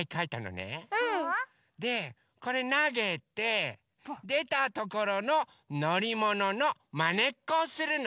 うん！でこれなげてでたところののりもののまねっこをするの。